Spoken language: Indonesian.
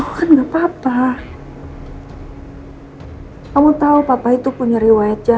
aku gak mau beri kakak watanya